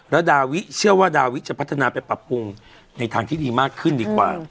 แล้วดาวิเชื่อว่าดาวิจะพัฒนาไปปรับปรุงในทางที่ดีมากขึ้นดีกว่า